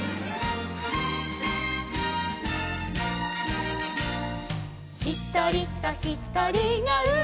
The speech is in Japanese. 「ひとりとひとりがうでくめば」